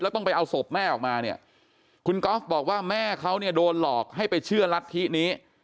ต้องไปเอาศพแม่ออกมาเนี่ยคุณก๊อฟบอกว่าแม่เขาเนี่ยโดนหลอกให้ไปเชื่อรัฐธินี้